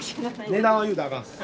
値段を言うたらあかんす。